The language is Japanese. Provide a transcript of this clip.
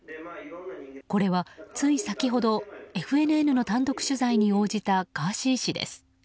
これはつい先ほどＦＮＮの単独取材に応じたガーシー氏です。